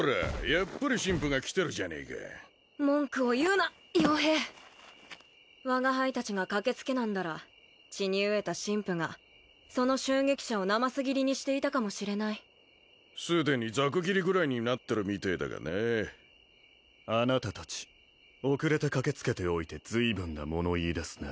やっぱり神父が来てるじゃねえか文句を言うな傭兵我が輩達が駆けつけなんだら血に飢えた神父がその襲撃者をなます切りにしていたかもしれないすでにざく切りぐらいになってるみてえだがなあなた達遅れて駆けつけておいて随分な物言いですね